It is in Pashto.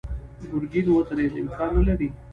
ګرګين ودرېد: امکان نه لري.